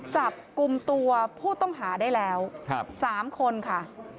จับกลุ่มตัวผู้ต้องหาได้แล้ว๓คนค่ะ